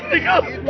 masih aku milih